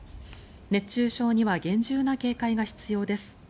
熱中症には厳重な警戒が必要です。